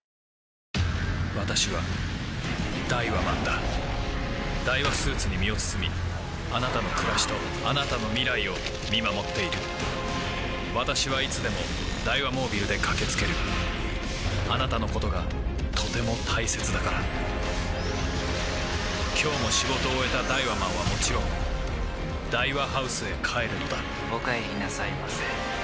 私はダイワマンだダイワスーツに身を包みあなたの暮らしとあなたの未来を見守っている私はいつでもダイワモービルで駆け付けるあなたのことがとても大切だから今日も仕事を終えたダイワマンはもちろんダイワハウスへ帰るのだお帰りなさいませ。